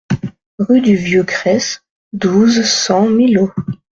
Rue du Vieux Crès, douze, cent Millau